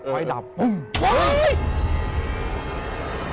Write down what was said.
ไฟดับปุ้มว๊าว